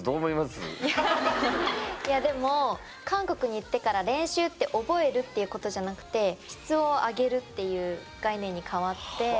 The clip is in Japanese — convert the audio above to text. いやいやでも韓国に行ってから練習って覚えるっていうことじゃなくてっていう概念に変わって。